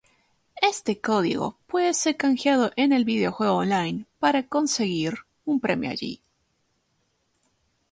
Este código puede ser canjeado en el videojuego online para conseguir un premio allí.